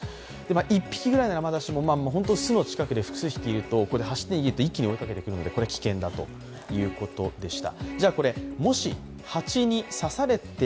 １匹くらいならまだしも、巣の近くで数匹いると一気に追いかけてくるので、これは危険だということでした。